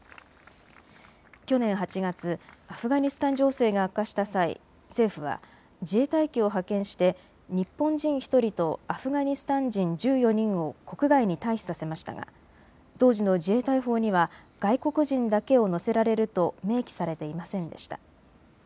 去年８月、アフガニスタン情勢が悪化した際、政府は自衛隊機を派遣して日本人１人とアフガニスタン人１４人を国外に退避させましたが当時の自衛隊法には外国人だけを乗せられると明記されていませんでした。